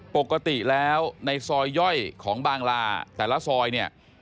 ปกติแล้วในซอยย่อยของบางลาแต่ละซอยเนี่ย